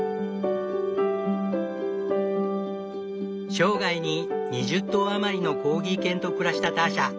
生涯に２０頭余りのコーギー犬と暮らしたターシャ。